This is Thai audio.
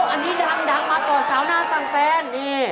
อันนี้ดังมาก่อนสาวหน้าสั่งแฟน